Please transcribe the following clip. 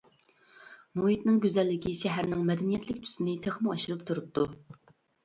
مۇھىتنىڭ گۈزەللىكى شەھەرنىڭ مەدەنىيلىك تۈسىنى تېخىمۇ ئاشۇرۇپ تۇرۇپتۇ.